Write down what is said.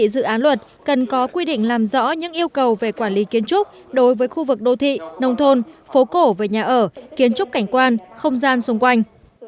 các đại biểu cũng đề nghị dự án luật cần có quy định làm rõ những yêu cầu về quản lý kiến trúc đối với khu vực đô thị nông thôn phố cổ về nhà ở kiến trúc cảnh quan không gian xung quanh